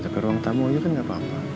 sampai ruang tamu aja kan gak apa apa